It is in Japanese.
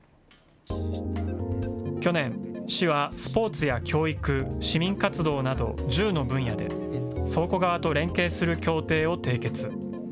去年、市はスポーツや教育、市民活動など１０の分野で、倉庫側と連携する協定を締結。